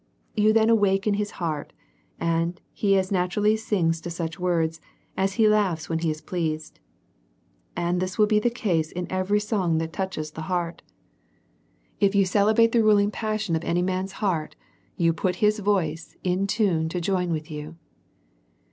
You then awaken his heart, and he as naturally sings to such words as he laug hs when he is pleased. And this will be the case in every souij that touches the heart ; if you celebrate the ruling passion of any man's heart, you put his voice in tune to join with you.